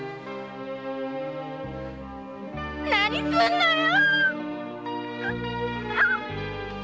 何すんのよ！